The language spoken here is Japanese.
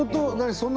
そんな。